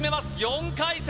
４回戦